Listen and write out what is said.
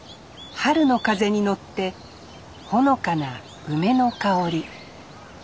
春の風に乗ってほのかな梅の香り